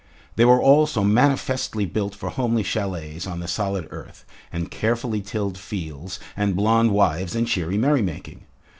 They were all so manifestly built for homely chalets on the solid earth and carefully tilled fields and blond wives and cheery merrymaking.